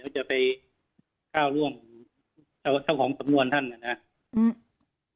ก็จะไปก้าวร่วงเจ้าของสำนวนท่านนะครับ